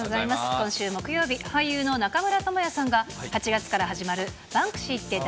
今週木曜日、俳優の中村倫也さんが、８月から始まるバンクシーって誰？